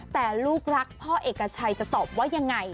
แต่ลูกรักพ่อเอกชัยจะตอบว่ายังไง